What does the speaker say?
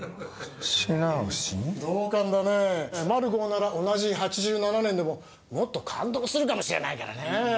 同感だね「マルゴー」なら同じ８７年でももっと感動するかもしれないからねぇ。